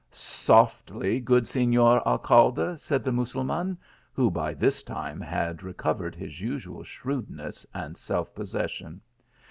" Softly, good Senor Alcalde," said the Mussul man, who by this time had recovered his usual shrewdness and self possession.